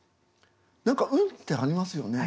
何か運ってありますよね。